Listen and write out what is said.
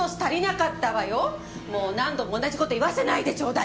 もう何度も同じ事言わせないでちょうだい！